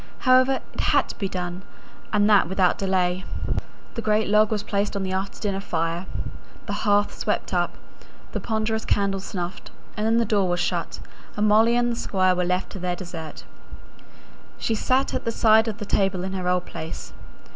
However, it had to be done, and that without delay. The great log was placed on the after dinner fire, the hearth swept up, the ponderous candles snuffed, and then the door was shut and Molly and the Squire were left to their dessert. She sat at the side of the table in her old place.